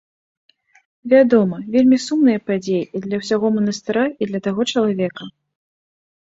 Вядома, вельмі сумная падзея і для ўсяго манастыра, і для таго чалавека.